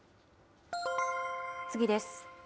次です。